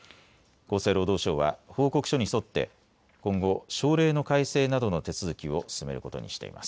厚生労働省は報告書に沿って今後、省令の改正などの手続きを進めることにしています。